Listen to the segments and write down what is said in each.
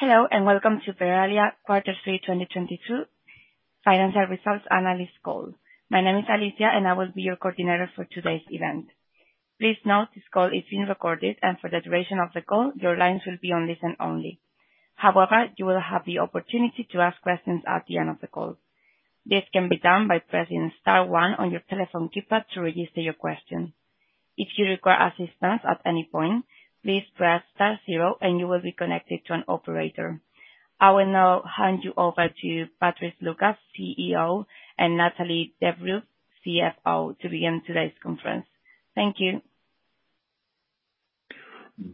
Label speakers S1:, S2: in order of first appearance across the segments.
S1: Hello, and welcome to Verallia Quarter 3 2022 Financial Results Analyst Call. My name is Alicia, and I will be your coordinator for today's event. Please note, this call is being recorded, and for the duration of the call, your lines will be on listen only. However, you will have the opportunity to ask questions at the end of the call. This can be done by pressing star one on your telephone keypad to register your question. If you require assistance at any point, please press star zero, and you will be connected to an operator. I will now hand you over to Patrice Lucas, CEO, and Nathalie Delbreuve, CFO, to begin today's conference. Thank you.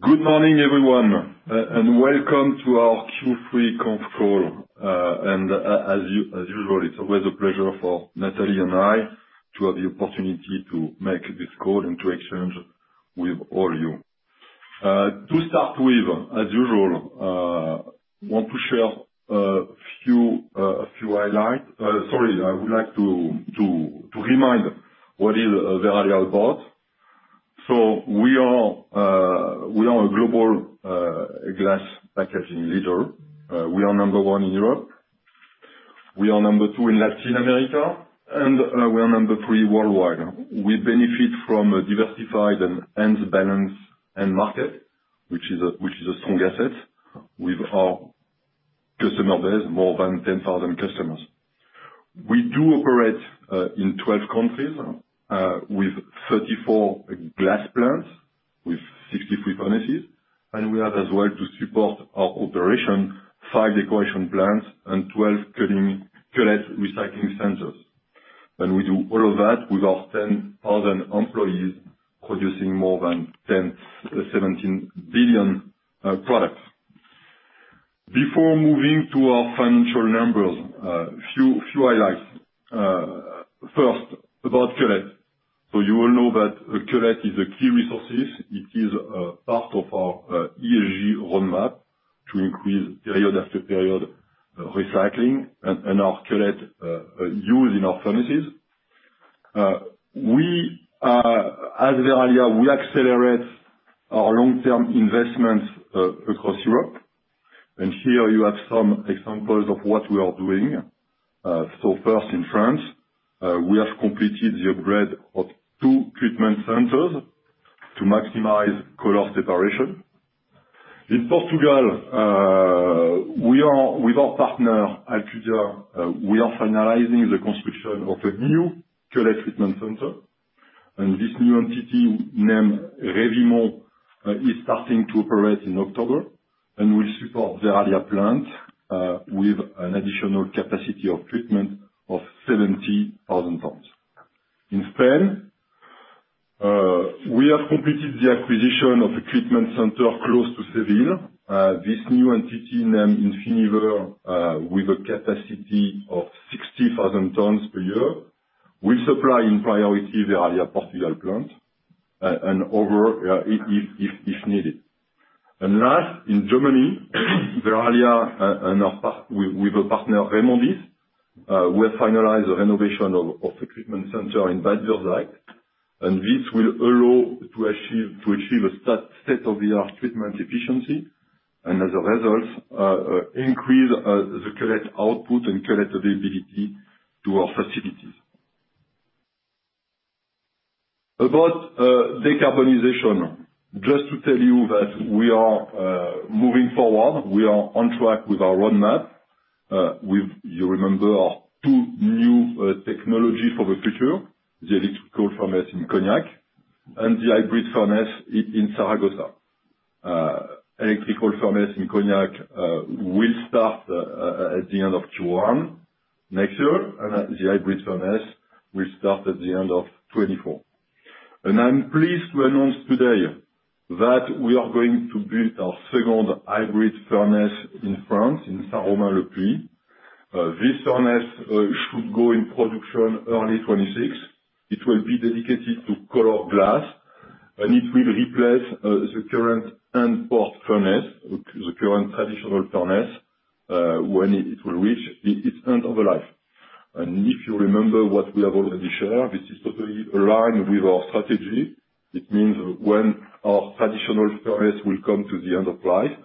S2: Good morning, everyone, and welcome to our Q3 conf call. As usual, it's always a pleasure for Nathalie and I to have the opportunity to make this call and to exchange with all you. To start with, as usual, want to share a few highlights. Sorry, I would like to remind what is Verallia about. So we are a global glass packaging leader. We are number one in Europe. We are number two in Latin America, and we are number three worldwide. We benefit from a diversified and balanced end market, which is a strong asset with our customer base, more than 10,000 customers. We do operate in 12 countries with 34 glass plants with 63 furnaces, and we have as well, to support our operation, five decoration plants and 12 cullet recycling centers. We do all of that with our 10,000 employees, producing more than 17 billion products. Before moving to our financial numbers, few highlights. First, about cullet. So you all know that cullet is a key resource. It is part of our ESG roadmap to increase period after period recycling and our cullet use in our furnaces. As Verallia, we accelerate our long-term investments across Europe, and here you have some examples of what we are doing. So first, in France, we have completed the upgrade of 2 treatment centers to maximize cullet separation. In Portugal, we are with our partner, Ambigroup, we are finalizing the construction of a new cullet treatment center, and this new entity, named Revimo, is starting to operate in October, and will support Verallia plant, with an additional capacity of treatment of 70,000 tons. In Spain, we have completed the acquisition of a treatment center close to Seville. This new entity, named Infiniver, with a capacity of 60,000 tons per year, will supply in priority Verallia Portugal plant, and other, if needed. And last, in Germany, Verallia and our partner, Remondis, will finalize the renovation of the treatment center in Bad Salzungen, and this will allow to achieve a state-of-the-art treatment efficiency, and as a result, increase the cullet output and cullet availability to our facilities. About decarbonization. Just to tell you that we are moving forward. We are on track with our roadmap. You remember our two new technology for the future, the electrical furnace in Cognac and the hybrid furnace in Zaragoza. Electrical furnace in Cognac will start at the end of Q1 next year, and the hybrid furnace will start at the end of 2024. And I'm pleased to announce today, that we are going to build our second hybrid furnace in France, in Saint-Romain-le-Puy. This furnace should go in production early 2026. It will be dedicated to color glass, and it will replace the current end-of-life furnace, the current traditional furnace, when it will reach its end of life. If you remember what we have already shared, this is totally aligned with our strategy. It means when our traditional furnace will come to the end of life,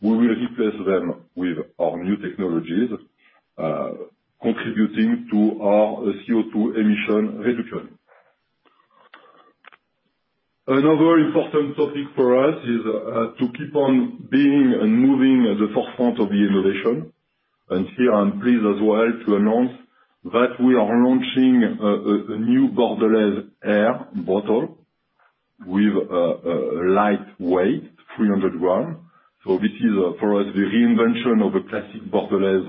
S2: we will replace them with our new technologies, contributing to our CO2 emission reduction. Another important topic for us is to keep on being and moving at the forefront of the innovation. Here, I'm pleased as well to announce that we are launching a new Bordelaise Air bottle with lightweight 300-gram. So this is, for us, the reinvention of a classic Bordelaise,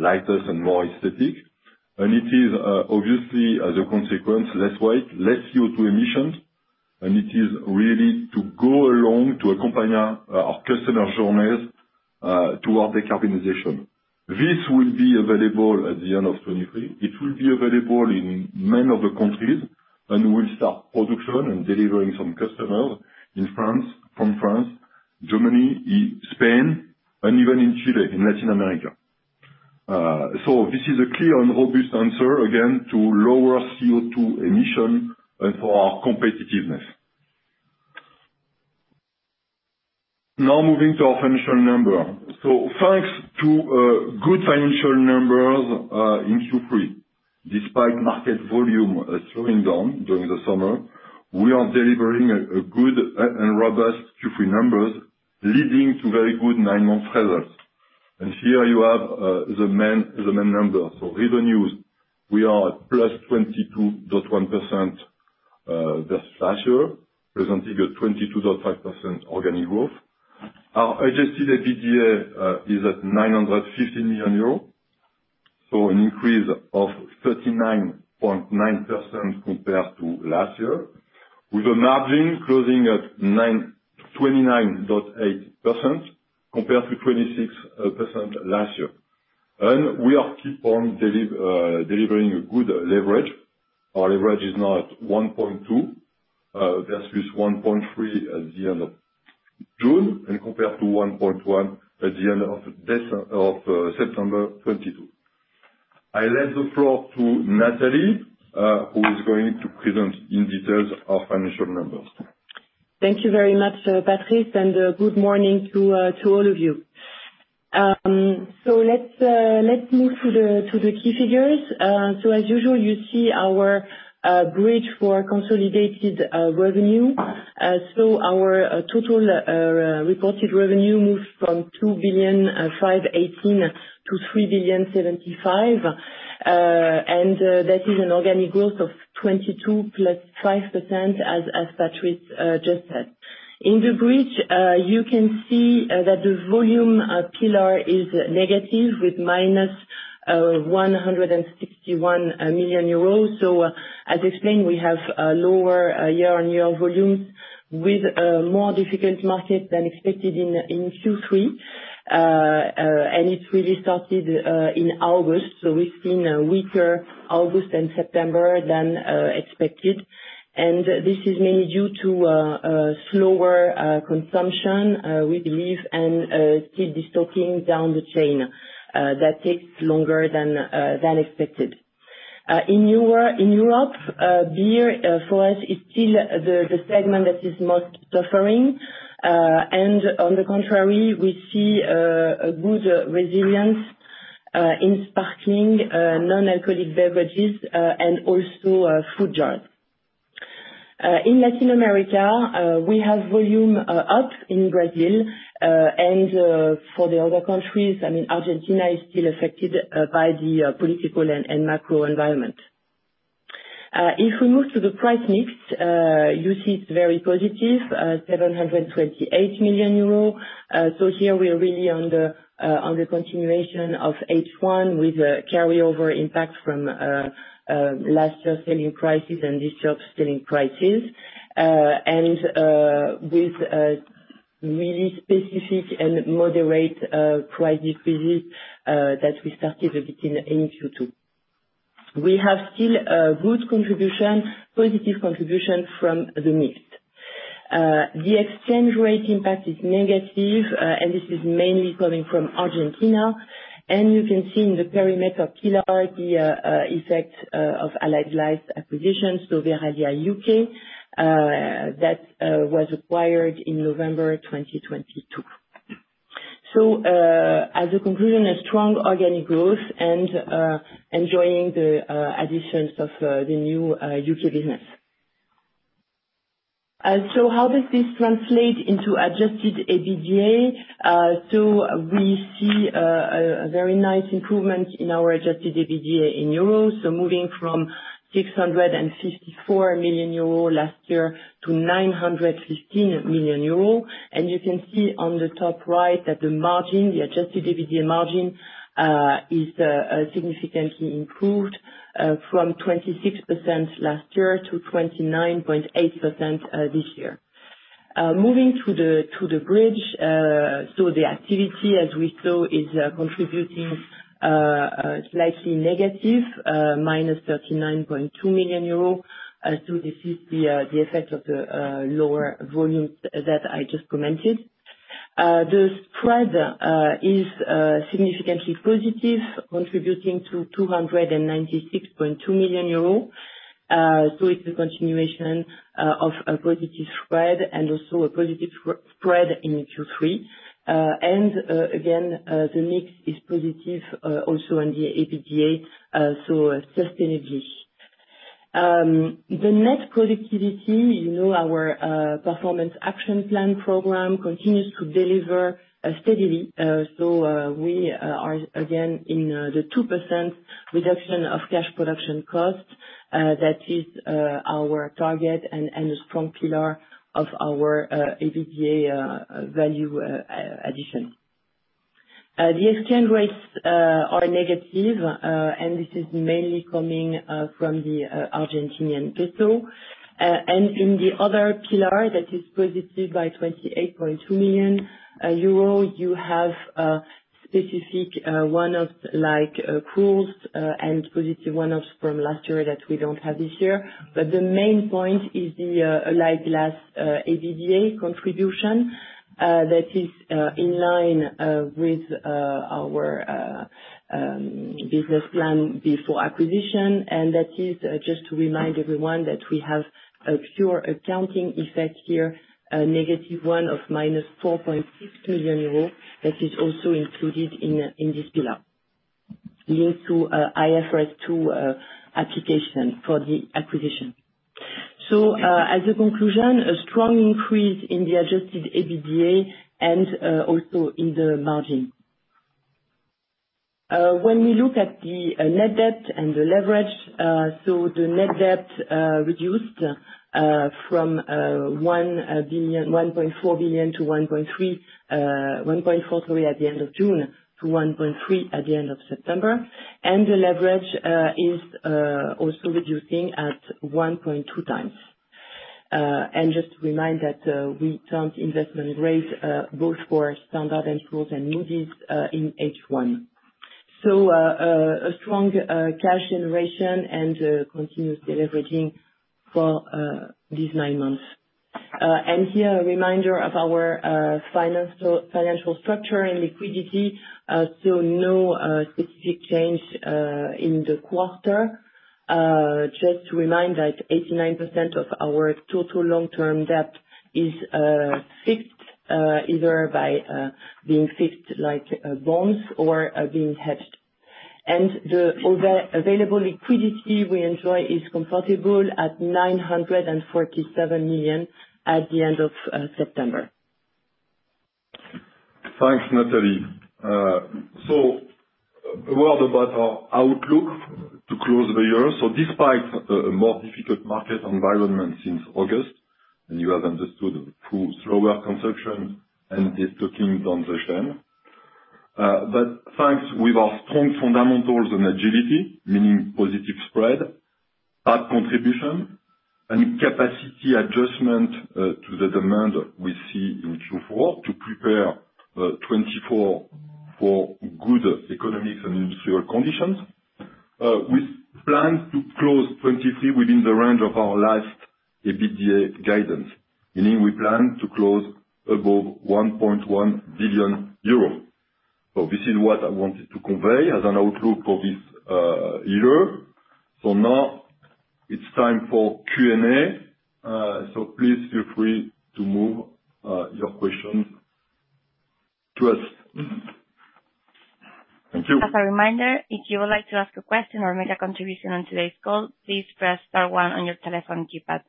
S2: lighter and more aesthetic. It is obviously, as a consequence, less weight, less CO2 emissions, and it is really to go along, to accompany our customer journeys to our decarbonization. This will be available at the end of 2023. It will be available in many other countries, and we'll start production and delivering some customer in France, from France, Germany, in Spain, and even in Chile, in Latin America. So this is a clear and obvious answer, again, to lower CO2 emission and for our competitiveness. Now moving to our financial number. So thanks to good financial numbers in Q3, despite market volume slowing down during the summer, we are delivering a good and robust Q3 numbers, leading to very good nine months results. And here you have the main numbers. So revenues, we are at +22.1% just last year, representing a 22.5% organic growth. Our adjusted EBITDA is at 950 million euros, so an increase of 39.9% compared to last year, with a margin closing at 29.8% compared to 26% last year. And we keep on delivering a good leverage. Our leverage is now at 1.2 versus 1.3 at the end of June, and compared to 1.1 at the end of September 2022. I let the floor to Nathalie, who is going to present in details our financial numbers.
S3: Thank you very much, Patrice, and good morning to all of you. So let's move to the key figures. So as usual, you see our bridge for consolidated revenue. So our total reported revenue moved from 2,518 million to 3,075 million, and that is an organic growth of 22 + 5%, as Patrice just said. In the bridge, you can see that the volume pillar is negative, with -161 million. So, as explained, we have lower year-on-year volumes, with more difficult market than expected in Q3. And it really started in August, so we've seen a weaker August and September than expected. This is mainly due to slower consumption, we believe, and still de-stocking down the chain that takes longer than expected. In Europe, beer for us is still the segment that is most suffering. And on the contrary, we see a good resilience in sparkling non-alcoholic beverages and also food jars. In Latin America, we have volume up in Brazil. And for the other countries, I mean, Argentina is still affected by the political and macro environment. If we move to the price mix, you see it's very positive, 728 million euros. So here we are really on the continuation of H1, with a carryover impact from last year's selling prices and disrupt selling prices, and with really specific and moderate price increase that we started a bit in Q2. We have still a good contribution, positive contribution from the mix. The exchange rate impact is negative, and this is mainly coming from Argentina. And you can see in the perimeter pillar, the effect of Allied Glass acquisitions, so the Allied UK that was acquired in November 2022. So as a conclusion, a strong organic growth and enjoying the additions of the new UK business. So how does this translate into adjusted EBITDA? So we see a very nice improvement in our adjusted EBITDA in euros. So moving from 654 million euro last year to 915 million euro. And you can see on the top right that the margin, the adjusted EBITDA margin, is significantly improved from 26% last year to 29.8% this year. Moving to the bridge. So the activity, as we saw, is contributing a slightly negative -39.2 million euro. So this is the effect of the lower volume that I just commented. The spread is significantly positive, contributing 296.2 million euros. So it's a continuation of a positive spread, and also a positive spread in Q3. Again, the mix is positive, also on the EBITDA, so sustainably. The net productivity, you know, our performance action plan program continues to deliver steadily. So, we are again in the 2% reduction of cash production costs. That is our target, and a strong pillar of our EBITDA value addition. The exchange rates are negative, and this is mainly coming from the Argentine peso. And in the other pillar, that is positive by 28.2 million euro, you have specific one-offs, like costs, and positive one-offs from last year that we don't have this year. But the main point is the Allied Glass EBITDA contribution... That is in line with our business plan before acquisition, and that is just to remind everyone that we have a pure accounting effect here, a negative one of 4.6 billion euros, that is also included in this pillar, linked to IFRS 2 acquisition, for the acquisition. As a conclusion, a strong increase in the adjusted EBITDA, and also in the margin. When we look at the net debt and the leverage, the net debt reduced from 1 billion, 1.4 billion to 1.3, 1.43 billion at the end of June, to 1.3 billion at the end of September. The leverage is also reducing at 1.2 times. And just to remind that we count investment rate both for standard and growth and newbies in H1. So, a strong cash generation and continuous deleveraging for these nine months. And here, a reminder of our financial structure and liquidity. So no specific change in the quarter. Just to remind that 89% of our total long-term debt is fixed either by being fixed, like bonds or being hedged. And the available liquidity we enjoy is comfortable at 947 million at the end of September.
S2: Thanks, Nathalie. So a word about our outlook to close the year. So despite a more difficult market environment since August, and you have understood through slower consumption and the continuing transition, but thanks, with our strong fundamentals and agility, meaning positive spread, Allied contribution, and capacity adjustment, to the demand we see in Q4, to prepare 2024 for good economic and industrial conditions. We plan to close 2023 within the range of our last EBITDA guidance, meaning we plan to close above 1.1 billion euros. So this is what I wanted to convey as an outlook for this year. So now it's time for Q&A, so please feel free to move your question to us. Thank you.
S1: As a reminder, if you would like to ask a question or make a contribution on today's call, please press star one on your telephone keypad.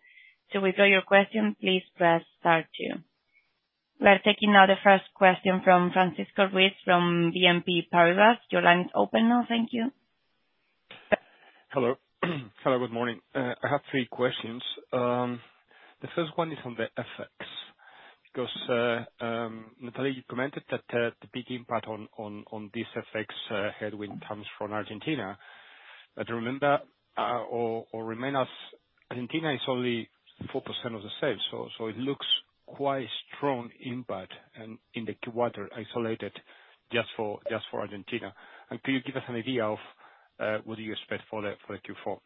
S1: To withdraw your question, please press star two. We are taking now the first question from Francisco Ruiz, from BNP Paribas. Your line is open now, thank you.
S4: Hello. Hello, good morning. I have three questions. The first one is on the FX, because, Nathalie, you mentioned that, the big impact on this FX headwind comes from Argentina, but remember, or remind us, Argentina is only 4% of the sales, so it looks quite strong impact in the Q1, isolated just for Argentina. And can you give us an idea of what do you expect for the Q4?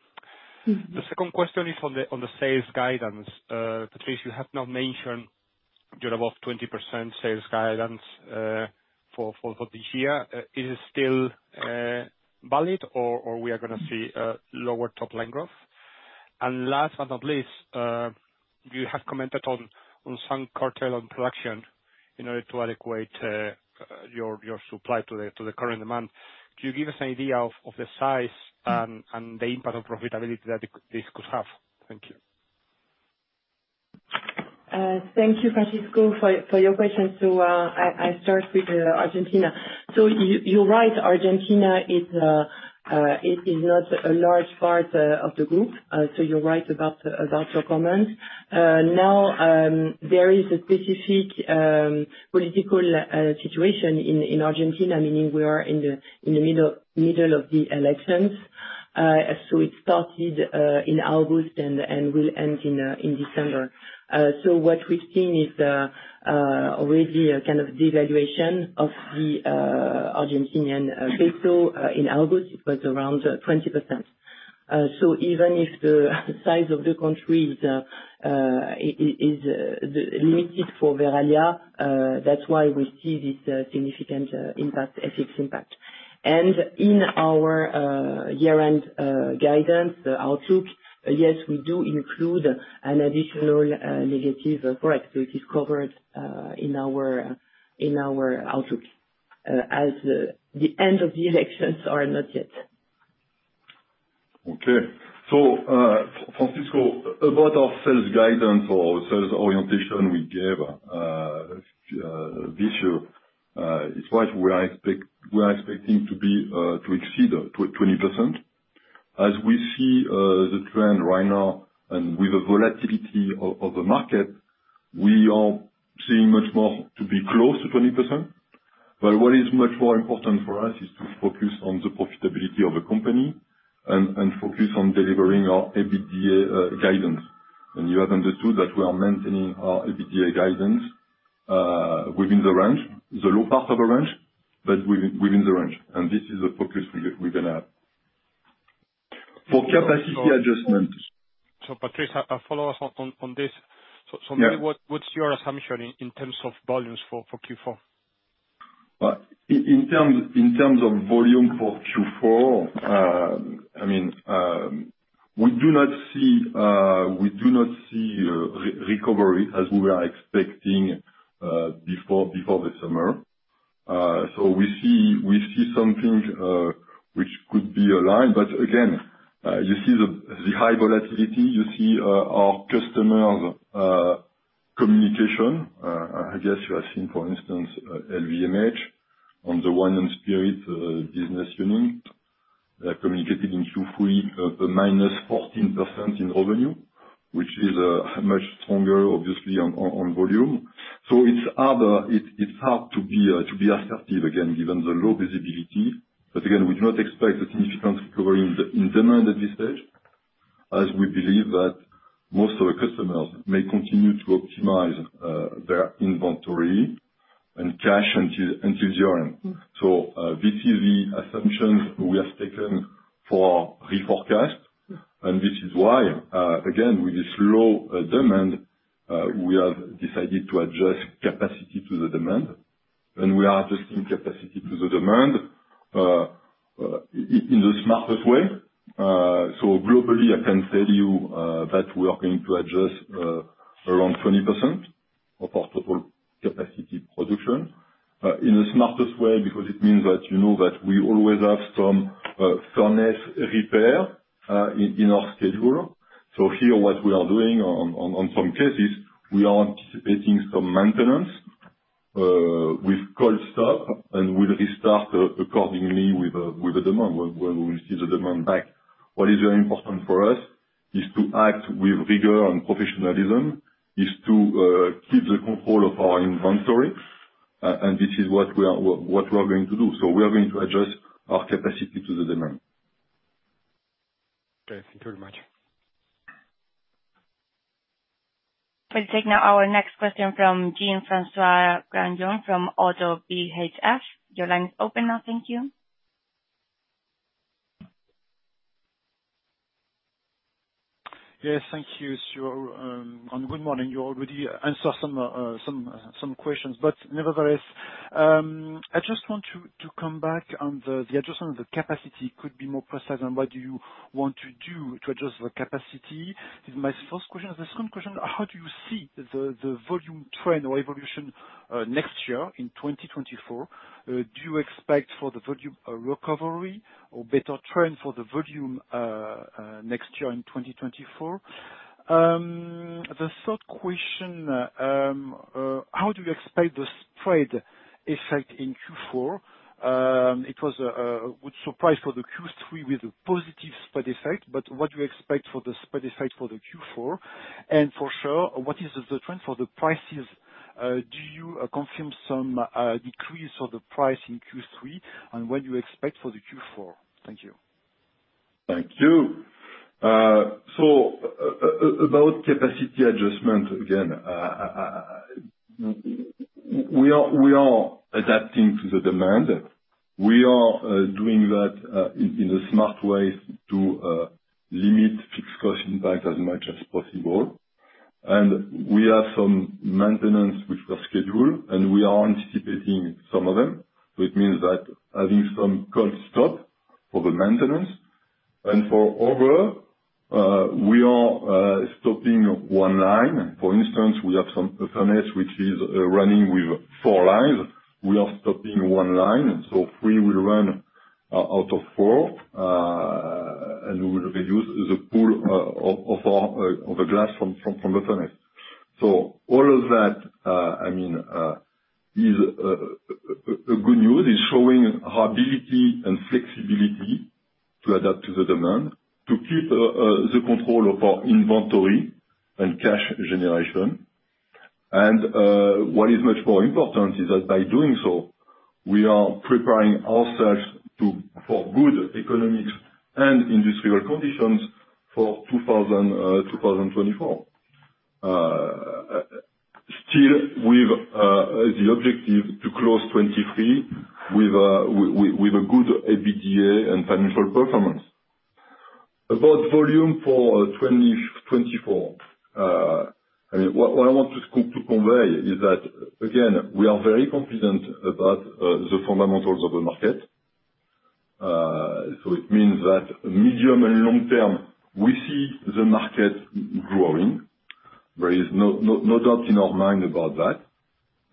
S3: Mm-hmm.
S4: The second question is on the sales guidance. Patrice, you have not mentioned your above 20% sales guidance for the year. Is it still valid, or we are gonna see-
S3: Mm.
S4: Lower top line growth? And last but not least, you have commented on some curtailment of production in order to allocate your supply to the current demand. Can you give us an idea of the size and the impact on profitability that this could have? Thank you.
S3: Thank you, Francisco, for your questions. So, I start with Argentina. So you're right, Argentina is not a large part of the group, so you're right about your comment. Now, there is a specific political situation in Argentina, meaning we are in the middle of the elections. So it started in August and will end in December. So what oe've seen is already a kind of devaluation of the Argentine peso. In August it was around 20%. So even if the size of the country is limited for Verallia, that's why we see this significant impact, FX impact. In our year-end guidance, the outlook, yes, we do include an additional negative for activity covered in our outlook, as the end of the elections are not yet.
S2: Okay. So, Francisco, about our sales guidance or sales orientation we gave this year, is what we are expecting to be to exceed 20%. As we see the trend right now, and with the volatility of the market, we are seeing much more to be close to 20%. But what is much more important for us is to focus on the profitability of the company and focus on delivering our EBITDA guidance. And you have understood that we are maintaining our EBITDA guidance within the range, the low part of the range, but within the range, and this is the focus we're gonna have for capacity adjustment.
S4: So Patrice, follow us on this.
S2: Yeah.
S4: What's your assumption in terms of volumes for Q4?
S2: In terms of volume for Q4, I mean, we do not see a recovery as we were expecting before the summer. So we see something which could be aligned, but again, you see the high volatility, you see our customers' communication. I guess you have seen, for instance, LVMH, on the wine and spirits business unit. They communicated in Q3 the minus 14% in revenue, which is much stronger obviously on volume. So it's hard, it's hard to be assertive again, given the low visibility. But again, we do not expect a significant recovery in the demand at this stage, as we believe that most of our customers may continue to optimize their inventory and cash into year-end. So, this is the assumptions we have taken for reforecast, and this is why, again, with this low demand, we have decided to adjust capacity to the demand. And we are adjusting capacity to the demand in the smartest way. So globally, I can tell you that we are going to adjust around 20% of our total capacity production in the smartest way, because it means that you know that we always have some furnace repair in our schedule. So here, what we are doing on some cases, we are anticipating some maintenance with cold stop, and we'll restart accordingly with the demand, when we see the demand back. What is very important for us is to act with rigor and professionalism, to keep the control of our inventory, and this is what we are going to do. So we are going to adjust our capacity to the demand.
S4: Okay. Thank you very much.
S1: We'll take now our next question from Jean-François Granjon from Oddo BHF. Your line is open now. Thank you.
S5: Yes, thank you, sure, and good morning. You already answered some questions, but nevertheless, I just want to come back on the adjustment of the capacity. Could you be more precise on what you want to do to adjust the capacity? This is my first question. The second question, how do you see the volume trend or evolution next year in 2024? Do you expect for the volume, a recovery or better trend for the volume next year in 2024? The third question, how do you expect the spread effect in Q4? It was a good surprise for the Q3 with a positive spread effect, but what do you expect for the spread effect for the Q4? And for sure, what is the trend for the prices? Do you confirm some decrease of the price in Q3, and what you expect for the Q4? Thank you.
S2: Thank you. So about capacity adjustment, again, we are adapting to the demand. We are doing that in a smart way to limit fixed cost impact as much as possible. And we have some maintenance which was scheduled, and we are anticipating some of them, so it means that having some cold stop for the maintenance. And for overall, we are stopping one line. For instance, we have some furnace which is running with four lines. We are stopping one line, and so three will run out of four. And we will reduce the pool of the glass from the furnace. So all of that, I mean, is a good news, is showing our ability and flexibility to adapt to the demand, to keep the control of our inventory and cash generation. And what is much more important is that by doing so, we are preparing ourselves to for good economic and industrial conditions for 2024. Still, with the objective to close 2023, with a good EBITDA and financial performance. About volume for 2024, I mean, what I want to convey is that, again, we are very confident about the fundamentals of the market. So it means that medium and long term, we see the market growing. There is no doubt in our mind about that.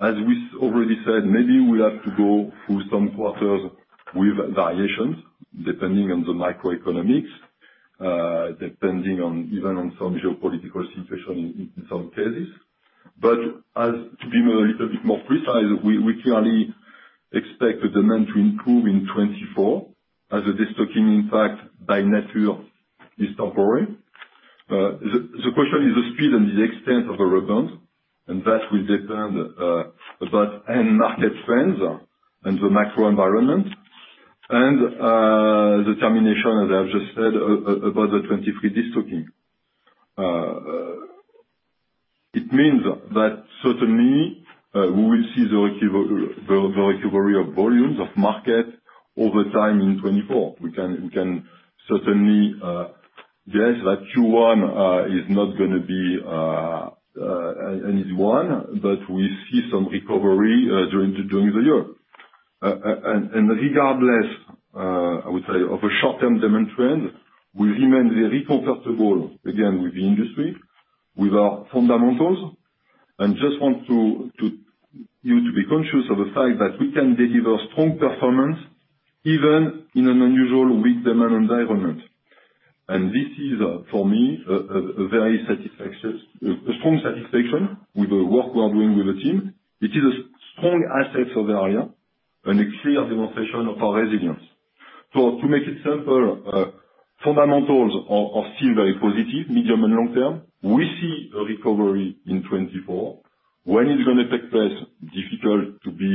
S2: As we already said, maybe we have to go through some quarters with variations, depending on the macroeconomics, depending on even on some geopolitical situation, in, in some cases. But to be a little bit more precise, we clearly expect the demand to improve in 2024, as the destocking impact by nature is temporary. The question is the speed and the extent of the rebound, and that will depend about end market trends and the macro environment, and the timing, as I've just said, about the 2023 destocking. It means that certainly we will see the recovery of volumes of market over time in 2024. We can certainly guess that Q1 is not gonna be an easy one, but we see some recovery during the year. And regardless, I would say, of a short-term demand trend, we remain very comfortable, again, with the industry, with our fundamentals, and just want to you to be conscious of the fact that we can deliver strong performance, even in an unusual weak demand environment. And this is, for me, a strong satisfaction with the work we are doing with the team. It is a strong asset for Verallia, and a clear demonstration of our resilience. So to make it simpler, fundamentals are still very positive, medium and long term. We see a recovery in 2024. When it's gonna take place, difficult to be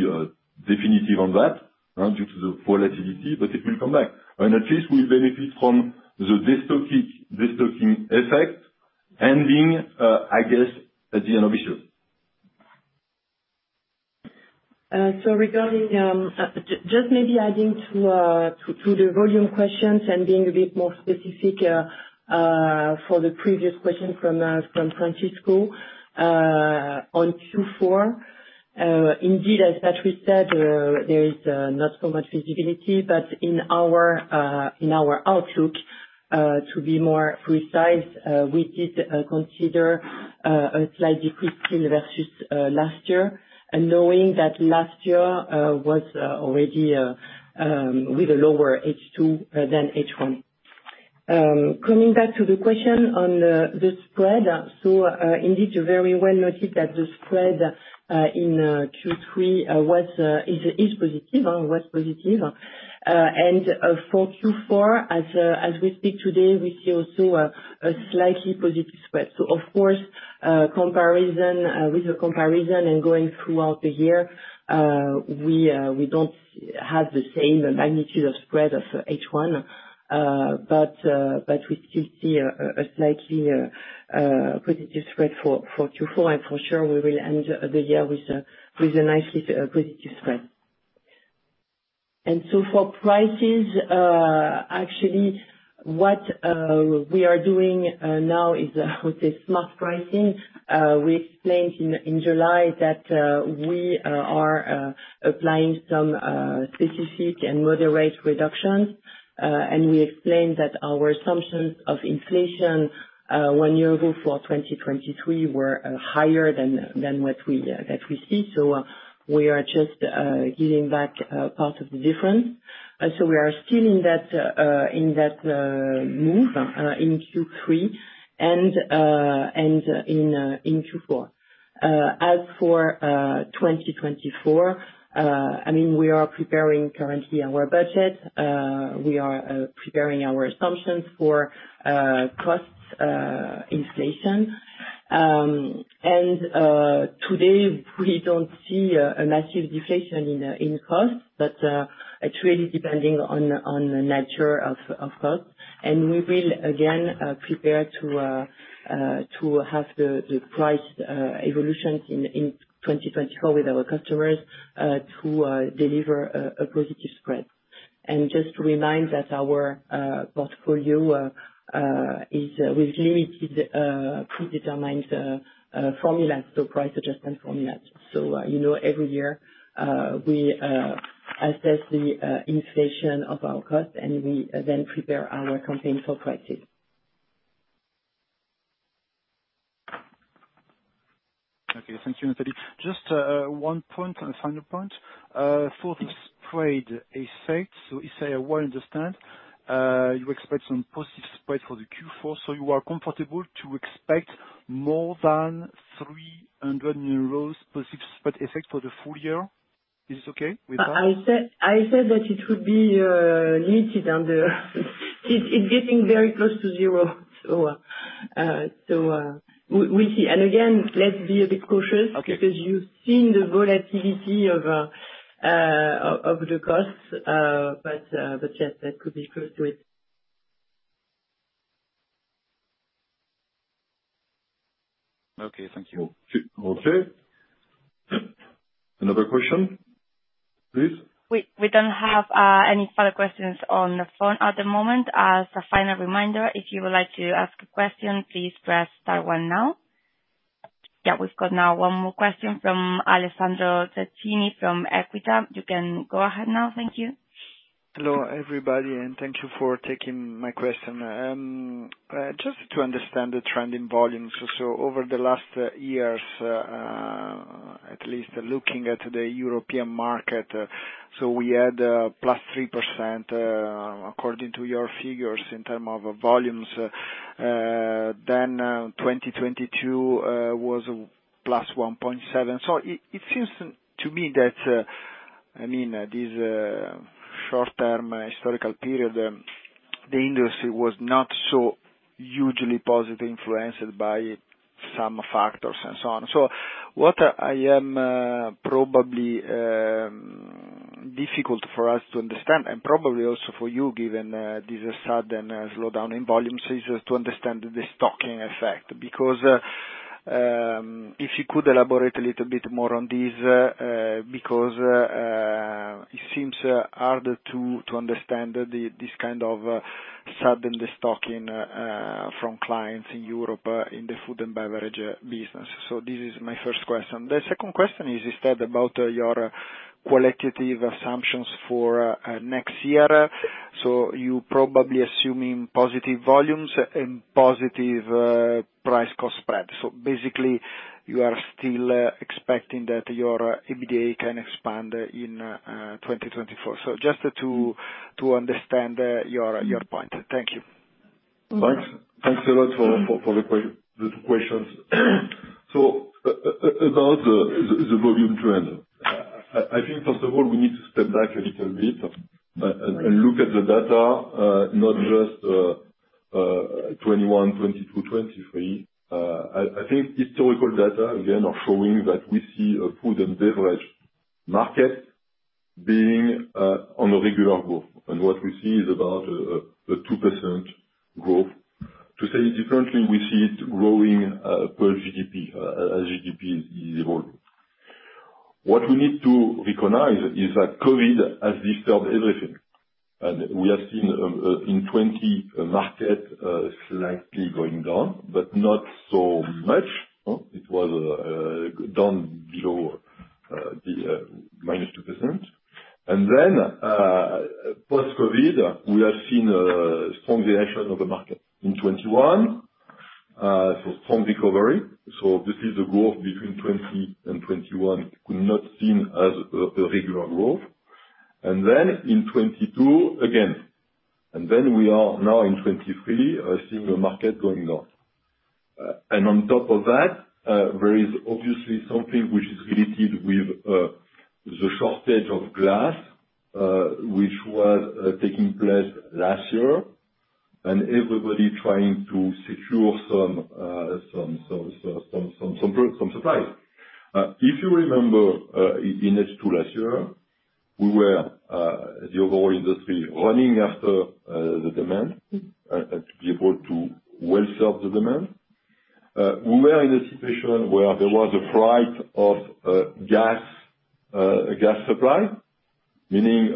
S2: definitive on that, due to the volatility, but it will come back. At least we benefit from the destocking, destocking effect ending, I guess, at the end of issue.
S3: So regarding, just maybe adding to the volume questions and being a bit more specific, just for the previous question from Francisco on Q4. Indeed, as Patrice said, there is not so much visibility, but in our outlook, to be more precise, we did consider a slight decrease versus last year, and knowing that last year was already with a lower H2 than H1. Coming back to the question on the spread. Indeed, very well noted that the spread in Q3 was, is, is positive, was positive. For Q4, as we speak today, we see also a slightly positive spread. So of course, comparison with the comparison and going throughout the year, we don't have the same magnitude of spread of H1. But we still see a slightly positive spread for Q4, and for sure, we will end the year with a nicely positive spread. And so for prices, actually, what we are doing now is with this smart pricing, we explained in July that we are applying some specific and moderate reductions. And we explained that our assumptions of inflation one year ago for 2023 were higher than what we see. So we are just giving back part of the difference. So we are still in that move in Q3, and in Q4. As for 2024, I mean, we are preparing currently our budget. We are preparing our assumptions for costs inflation. And today, we don't see a massive decrease in costs, but it's really depending on the nature of costs. We will again prepare to have the price evolution in 2024 with our customers to deliver a positive spread. Just to remind that our portfolio is with limited predetermined formulas, so price adjustment formulas. You know, every year, we assess the inflation of our costs, and we then prepare our campaign for pricing.
S5: Okay, thank you, Nathalie. Just, one point, a final point. For the spread effect, so if I well understand, you expect some positive spread for the Q4, so you are comfortable to expect more than 300 euros positive spread effect for the full year. Is this okay with that?
S3: I said that it would be limited on the... It's getting very close to zero. So, we'll see. And again, let's be a bit cautious-
S5: Okay.
S3: - because you've seen the volatility of the costs, but yes, that could be close to it.
S5: Okay, thank you.
S2: Okay. Another question, please?
S1: We don't have any further questions on the phone at the moment. As a final reminder, if you would like to ask a question, please press star one now. Yeah, we've got now one more question from Alessandro Zacchini, from Equita. You can go ahead now. Thank you.
S6: Hello, everybody, and thank you for taking my question. Just to understand the trend in volumes. So over the last years, at least looking at the European market, so we had +3% according to your figures, in terms of volumes. Then, 2022 was +1.7. So it seems to me that, I mean, this short-term historical period, the industry was not so hugely positive influenced by some factors and so on. So what I am probably difficult for us to understand, and probably also for you, given this sudden slowdown in volumes, is to understand the stocking effect. Because if you could elaborate a little bit more on this, because it seems harder to understand this kind of sudden destocking from clients in Europe in the food and beverage business. So this is my first question. The second question is instead about your qualitative assumptions for next year. So you probably assuming positive volumes and positive price cost spread. So basically, you are still expecting that your EBITDA can expand in 2024. So just to understand your point. Thank you.
S2: Thanks. Thanks a lot for the two questions. So about the volume trend. I think, first of all, we need to step back a little bit, and look at the data, not just 2021, 2022, 2023. I think historical data, again, are showing that we see a food and beverage market being on a regular growth. And what we see is about a 2% growth. To say it differently, we see it growing per GDP, as GDP is evolving. What we need to recognize is that COVID has disturbed everything, and we have seen in 2020, the market slightly going down, but not so much. It was down below the -2%. And then, post-COVID, we have seen a strong reaction of the market in 2021. So strong recovery, so this is a growth between 2020 and 2021, could not seem as a regular growth. And then in 2022, again. And then we are now in 2023, seeing the market going down. And on top of that, there is obviously something which is related with the shortage of glass, which was taking place last year, and everybody trying to secure some supply. If you remember, in H2 last year, we were the overall industry, running after the demand, and to be able to well serve the demand. We were in a situation where there was a fright of gas supply, meaning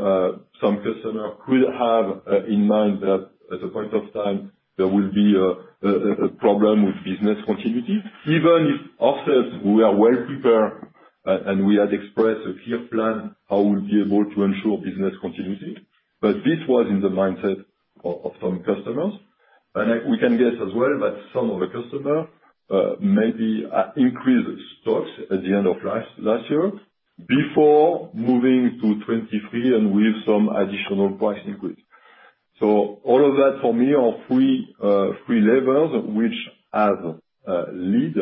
S2: some customer could have in mind that at a point of time, there will be a problem with business continuity. Even if ourselves, we are well prepared, and we had expressed a clear plan how we'll be able to ensure business continuity. But this was in the mindset of some customers. And we can guess as well, that some of the customer maybe increased stocks at the end of last year, before moving to 2023, and with some additional price increase. So all of that, for me, are three levels, which have lead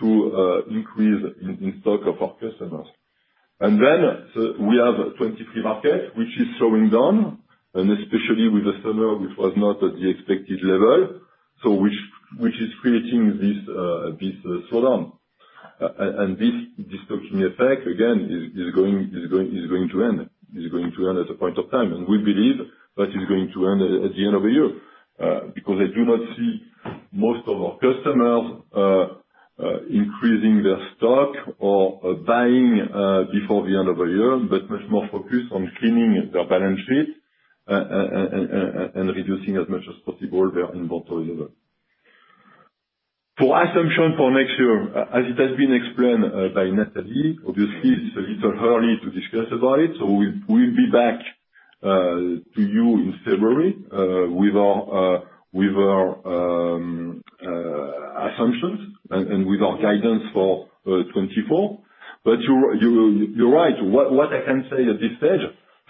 S2: to increase in stock of our customers. We have the 2023 market, which is slowing down, and especially with the summer, which was not at the expected level, so which is creating this slowdown. And this destocking effect, again, is going to end. Is going to end at a point of time, and we believe that is going to end at the end of the year. Because I do not see most of our customers increasing their stock or buying before the end of the year, but much more focused on cleaning their balance sheet and reducing as much as possible their inventory level. So assumption for next year, as it has been explained by Nathalie, obviously it's a little early to discuss about it, so we'll be back to you in February with our assumptions and with our guidance for 2024. But you're right. What I can say at this stage,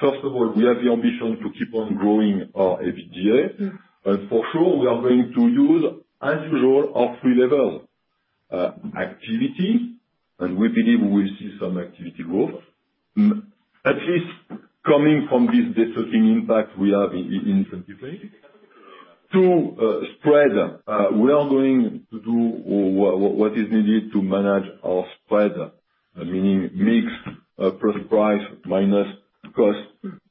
S2: first of all, we have the ambition to keep on growing our EBITDA. And for sure, we are going to use, as usual, our three level activity, and we believe we'll see some activity growth at least coming from this destocking impact we have in 2023. Two, spread. We are going to do what is needed to manage our spread, meaning mix, purchase price minus cost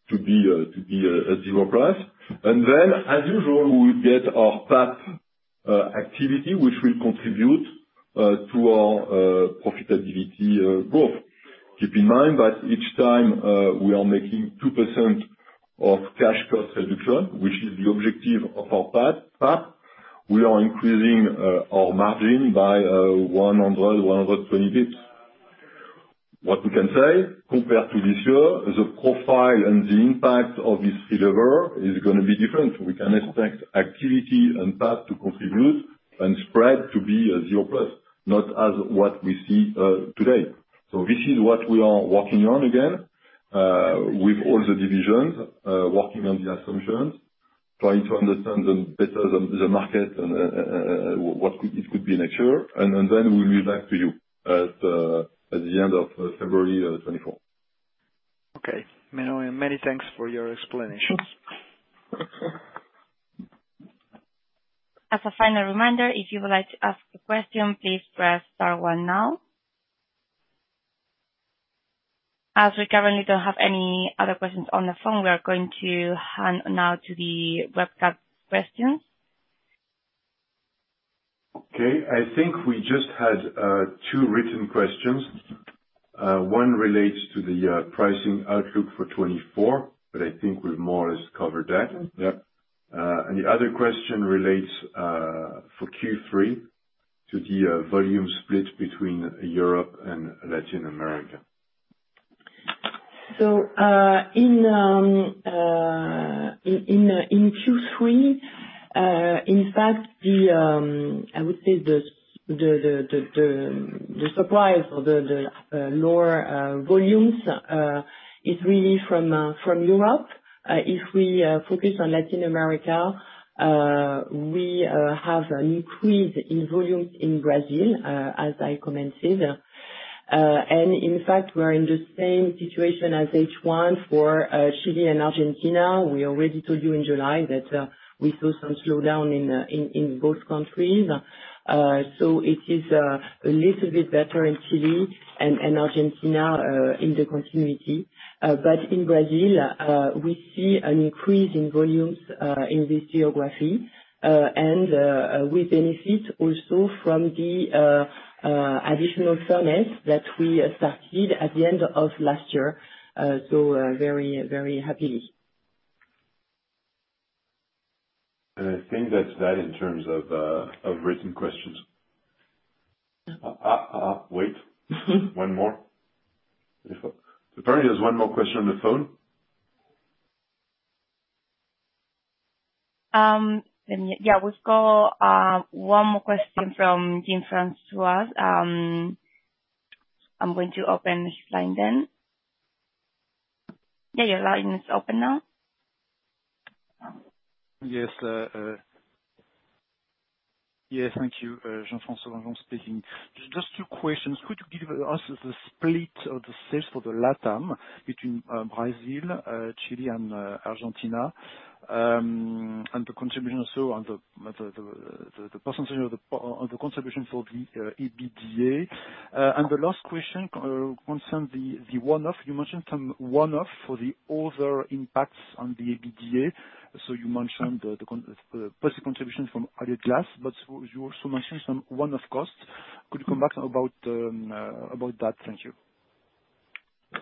S2: to be a zero plus. Then, as usual, we get our PAP activity, which will contribute to our profitability growth. Keep in mind that each time we are making 2% of cash cost reduction, which is the objective of our PAP, we are increasing our margin by 120 basis points. What we can say, compared to this year, the profile and the impact of this deliver is gonna be different. We can expect activity and PAP to contribute, and spread to be a zero plus, not as what we see today. So this is what we are working on again with all the divisions, working on the assumptions, trying to understand them better, the market, and what it could be next year. And then, we will be back to you at the end of February 2024.
S6: Okay. Many, many thanks for your explanations....
S1: As a final reminder, if you would like to ask a question, please press star one now. As we currently don't have any other questions on the phone, we are going to hand now to the webcast questions.
S2: Okay. I think we just had two written questions. One relates to the pricing outlook for 2024, but I think Maurice covered that.
S3: Yep.
S2: And the other question relates, for Q3, to the volume split between Europe and Latin America.
S3: So, in Q3, in fact, I would say the surprise or the lower volumes is really from Europe. If we focus on Latin America, we have an increase in volumes in Brazil, as I commented. And in fact, we're in the same situation as H1 for Chile and Argentina. We already told you in July that we saw some slowdown in both countries. So it is a little bit better in Chile and Argentina in the continuity. But in Brazil, we see an increase in volumes in this geography. And we benefit also from the additional furnace that we started at the end of last year. So, very, very happily.
S2: And I think that's that in terms of written questions. Wait. One more. Apparently, there's one more question on the phone.
S1: Yeah, we've got one more question from Jean-François Granjon. I'm going to open his line then. Yeah, your line is open now.
S5: Yes, yeah, thank you. Jean-François Granjon speaking. Just two questions. Could you give us the split of the sales for the Latam between Brazil, Chile, and Argentina? And the contribution also on the percentage or the contribution for the EBITDA. And the last question concerns the one-off. You mentioned some one-off for the other impacts on the EBITDA. So you mentioned the positive contribution from Ardagh Glass, but you also mentioned some one-off costs. Could you come back about that? Thank you.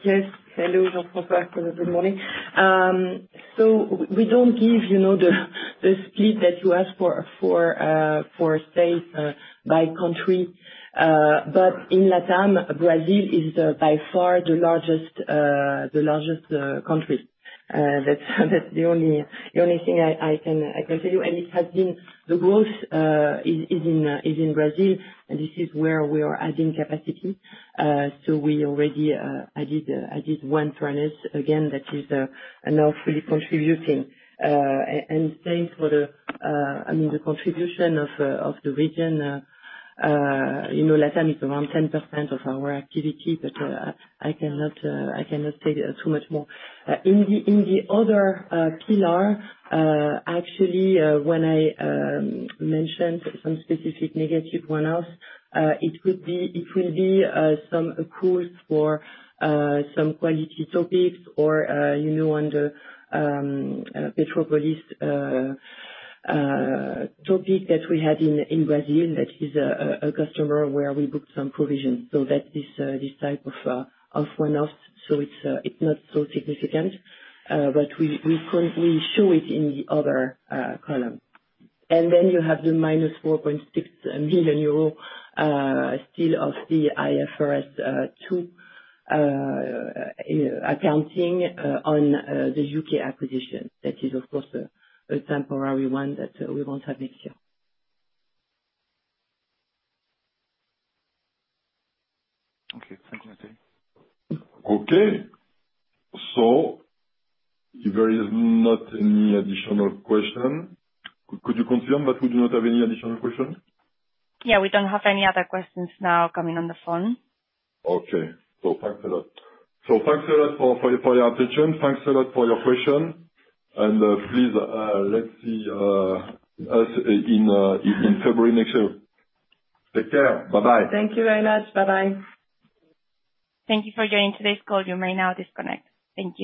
S3: Yes. Hello, Jean-François Granjon. Good morning. So we don't give, you know, the split that you ask for, for sales by country. But in Latam, Brazil is by far the largest country. That's the only thing I can tell you. And it has been the growth is in Brazil, and this is where we are adding capacity. So we already added one furnace, again, that is now fully contributing. And thanks for the... I mean, the contribution of the region, you know, Latam is around 10% of our activity, but I cannot say too much more. In the other pillar, actually, when I mentioned some specific negative one-offs, it would be- it will be, some cost for some quality topics or, you know, under Petropolis topic that we had in Brazil, that is a customer where we booked some provisions. So that's this type of one-offs, so it's not so significant, but we current- we show it in the other column. And then you have the -4.6 million euro, still of the IFRS 2, you know, accounting on the UK acquisition. That is, of course, a temporary one that we won't have next year.
S5: Okay. Thank you.
S2: Okay. So if there is not any additional question, could you confirm that we do not have any additional questions?
S1: Yeah, we don't have any other questions now coming on the phone.
S2: Okay. So thanks a lot. So thanks a lot for your attention. Thanks a lot for your questions. And please, let's see us in February next year. Take care. Bye-bye.
S3: Thank you very much. Bye-bye.
S1: Thank you for joining today's call. You may now disconnect. Thank you.